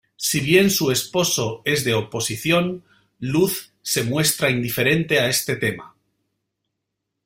Si bien su esposo es de oposición, Luz se muestra indiferente a este tema.